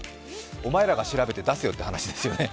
お前らが調べて出せよって話ですよね。